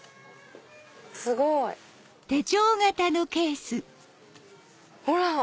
すごい！ほら！